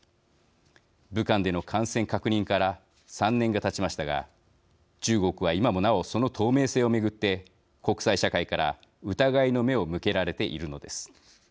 武漢での感染確認から３年がたちましたが中国は今もなおその透明性を巡って国際社会から疑いの目を向けられているのです。